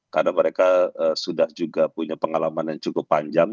karena mereka sudah juga punya pengalaman yang cukup panjang